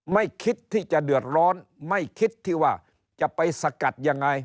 ไม่คิดที่จะเดือดร้อนไม่คิดที่ว่าจะไปสกัดยังไง